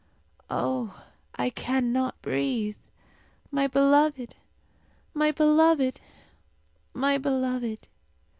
Oh! I cannot breathe! My beloved! My beloved! My beloved!"